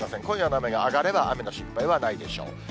今夜の雨が上がれば雨の心配はないでしょう。